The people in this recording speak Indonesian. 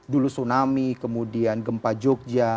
dulu tsunami kemudian gempa jogja